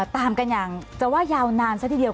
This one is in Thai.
ตามกันอย่างจะว่ายาวนานซะทีเดียว